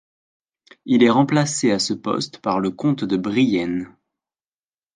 Il est remplacé à ce poste par le comte de Brienne.